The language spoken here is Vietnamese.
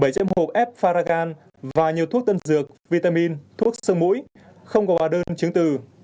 bảy triệu hộp f faragan và nhiều thuốc tân dược vitamin thuốc sơ mũi không có bà đơn chứng từ